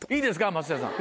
松下さん